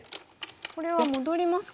これは戻りますか？